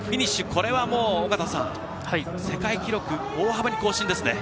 これはもう、世界記録を大幅に更新ですね。